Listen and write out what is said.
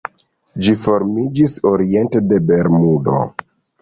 Ĝi formiĝis oriente de Bermudo.